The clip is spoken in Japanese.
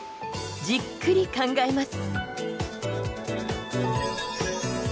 じっくり考えます。